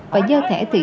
và dơ thẻ thị uy